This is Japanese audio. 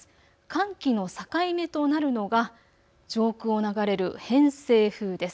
寒気の境目となるのが上空を流れる偏西風です。